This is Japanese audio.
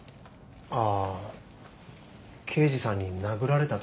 ああ刑事さんに殴られた時かな。